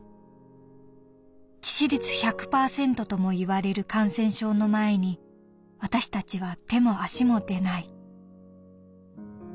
致死率１００％ともいわれる感染症の前に私たちは手も足も出ない」。